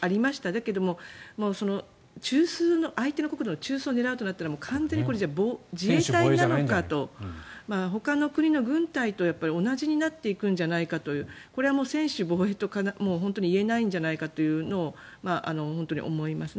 だけど、相手の国土の中枢を狙うとなったらもう完全にこれは自衛隊なのかと。ほかの国の軍隊と同じになっていくんじゃないかというこれは専守防衛といえないんじゃないかというのを本当に思います。